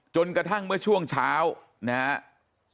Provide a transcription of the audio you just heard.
จนกระทั่งเมื่อช่วงเช้านะครับ